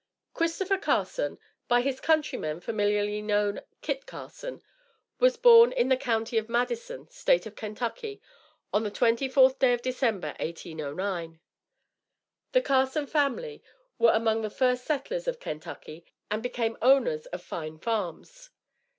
Christopher Carson, by his countrymen familiarly called "Kit Carson," was born in the County of Madison, State of Kentucky, on the 24th day of December, 1809. The Carson family were among the first settlers of Kentucky, and became owners of fine farms.